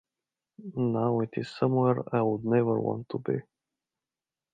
Now it is somewhere I would never want to be.